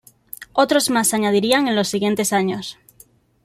Otros más se añadirían en los siguientes años.